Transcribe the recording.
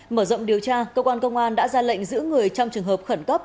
mở rộng điều tra cơ quan công an đã ra lệnh giữ người trong trường hợp khẩn cấp